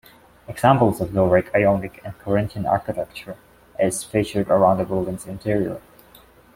Examples of Doric, Ionic, and Corinthian architecture is featured around the building's interior.